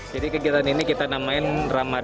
jadi kegiatan ini kita namakan ramadan